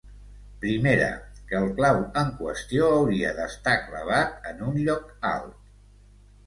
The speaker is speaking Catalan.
Primera, que el clau en qüestió hauria d'estar clavat en un lloc alt.